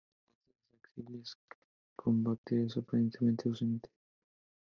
Las inflorescencias son laxas, axilares, con brácteas aparentemente ausente.